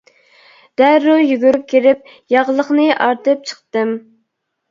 دەررۇ يۈگۈرۈپ كىرىپ ياغلىقنى ئارتىپ چىقتىم.